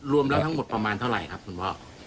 รวมแล้วทั้งหมดประมาณเท่าไหร่ครับคุณพ่อ